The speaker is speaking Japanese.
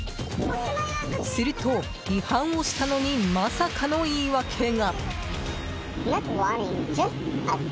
すると違反をしたのにまさかの言い訳が。